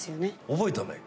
覚えたね。